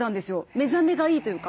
目覚めがいいというか。